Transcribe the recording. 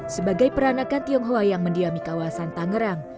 sebagai peranakan tionghoa yang mendiami kawasan tangerang